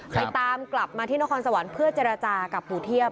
ไปตามกลับมาที่นครสวรรค์เพื่อเจรจากับปู่เทียบ